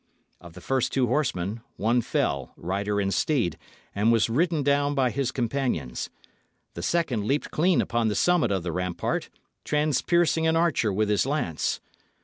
Of the first two horsemen, one fell, rider and steed, and was ridden down by his companions. The second leaped clean upon the summit of the rampart, transpiercing an archer with his lance.